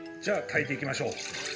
じゃあ炊いていきましょう。